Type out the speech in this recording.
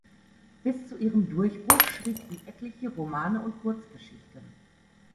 Bis zu ihrem Durchbruch schrieb sie etliche Romane und Kurzgeschichten.